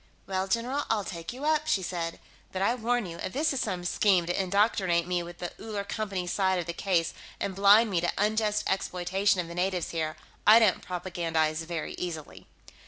"Well, general, I'll take you up," she said. "But I warn you; if this is some scheme to indoctrinate me with the Uller Company's side of the case and blind me to unjust exploitation of the natives here, I don't propagandize very easily."